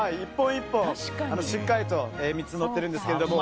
１本１本、しっかりと３つになっているんですけど。